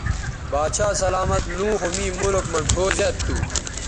باچھا سلامت لوں خو می ملک مہ ڙھؤ زیات تھو